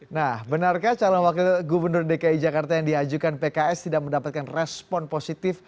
nah benarkah calon wakil gubernur dki jakarta yang diajukan pks tidak mendapatkan respon positif